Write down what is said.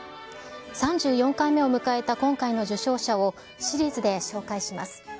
３４回目を迎えた今回の受賞者を、シリーズで紹介します。